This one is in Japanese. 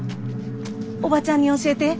おばちゃんに教えて。